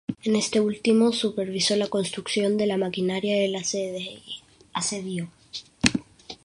En este último, supervisó la construcción de la maquinaria de asedio.